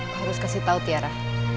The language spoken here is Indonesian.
kau harus kasih tau tiara